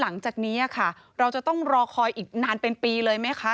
และก็สปอร์ตเรียนว่าคำน่าจะมีการล็อคกรมการสังขัดสปอร์ตเรื่องหน้าในวงการกีฬาประกอบสนับไทย